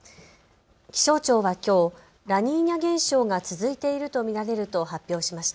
気象庁はきょうラニーニャ現象が続いていると見られると発表しました。